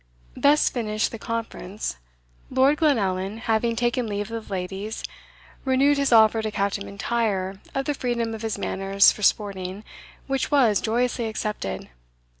Thus finished the conference. Lord Glenallan, having taken leave of the ladies, renewed his offer to Captain M'Intyre of the freedom of his manors for sporting, which was joyously accepted.